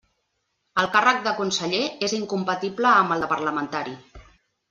El càrrec de conseller és incompatible amb el de Parlamentari.